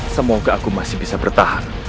semoga aku masih bisa bertahan